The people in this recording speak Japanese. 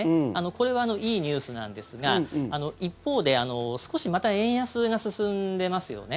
これはいいニュースなんですが一方で少しまた円安が進んでますよね。